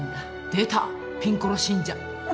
出たピンコロ信者。